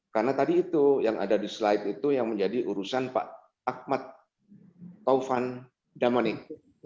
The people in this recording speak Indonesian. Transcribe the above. karena tadi itu yang ada di slide itu yang menjadi urusan pak ahmad taufan damanik